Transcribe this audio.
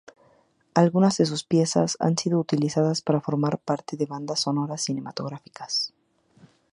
Alguna de sus piezas han sido utilizadas para formar parte de bandas sonoras cinematográficas.